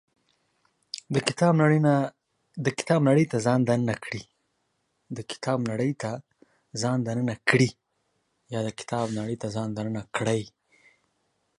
د کتاب نړۍ ته ځان دننه کړي.